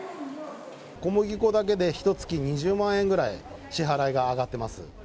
小麦粉だけでひとつき２０万円ぐらい、支払いが上がってます。